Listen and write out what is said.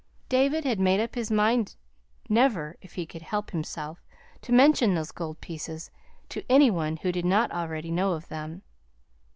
David had made up his mind never, if he could help himself, to mention those gold pieces to any one who did not already know of them.